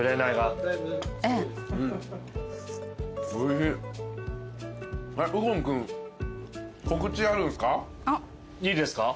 いいですか？